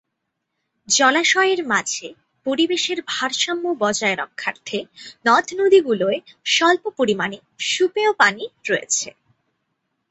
জলাশয়ের মাঝে পরিবেশের ভারসাম্য বজায় রক্ষার্থে নদ-নদীগুলোয় স্বল্প পরিমাণে সুপেয় পানি রয়েছে।